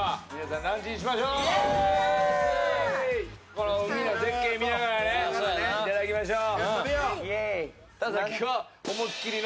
この海の絶景見ながらいただきましょう。